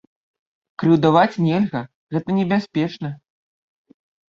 Крыўдаваць нельга, гэта небяспечна.